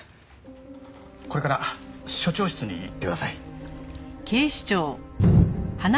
これから署長室に行ってください。